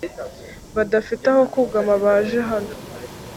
badafite aho kugama baje hano